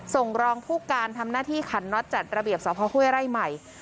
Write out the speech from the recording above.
ส่งรองผู้การทำหน้าที่ขันน็อตจัดระเบียบสพห้วยไร่ใหม่